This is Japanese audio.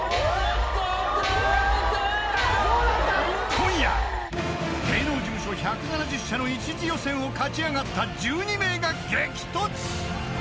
［今夜芸能事務所１７０社の一次予選を勝ち上がった１２名が激突！］